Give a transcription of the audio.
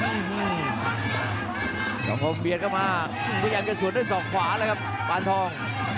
อื้อฮือสองโคมเบียนเข้ามาพยายามจะสวนด้วยสองขวาเลยครับปานทอง